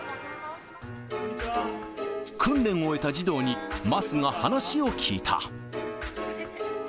訓練を終えた児童に、桝が話を聞いた。